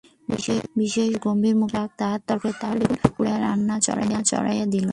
বিশেষ গম্ভীরমুখে তাহার শাক, তাহার তরকারি, তাহার বেগুন কুটিয়া রান্না চড়াইয়া দিল।